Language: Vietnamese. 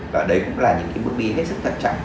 và đấy cũng là những bước đi hết sức thật chậm